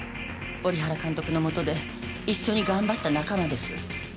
織原監督のもとで一緒に頑張った仲間です。